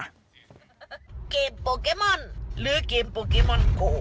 เกมโปเกมอนหรือเกมโปเกมอนโก